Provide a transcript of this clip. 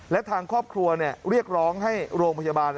และทางครอบครัวเรียกร้องให้โรงพยาบาล